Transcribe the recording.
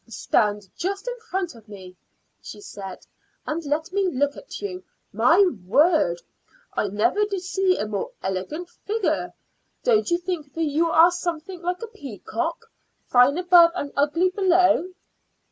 "Stand just in front of me," she said, "and let me look at you. My word! I never did see a more elegant figure. Don't you think that you are something like a peacock fine above and ugly below?"